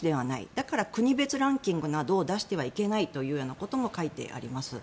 だから、国別ランキングなどを出してはいけないということも書いてあります。